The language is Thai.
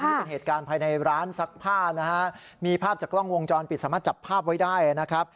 นี่เป็นเหตุการณ์ภายในร้านซักผ้านะฮะมีภาพจากกล้องวงจรปิดสามารถจับภาพไว้ได้นะครับ